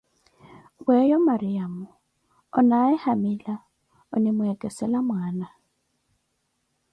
Weyo Maryamo, onaaye hamila, onimweekesela mwana.